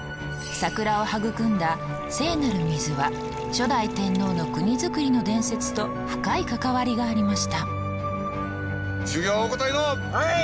桜を育んだ聖なる水は初代天皇の国づくりの伝説と深い関わりがありました。